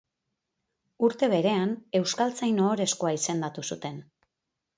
Urte berean Euskaltzain Ohorezkoa izendatu zuten.